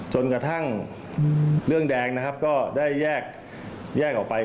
จนกระทั่งเรื่องแดงนะครับก็ได้แยกออกไป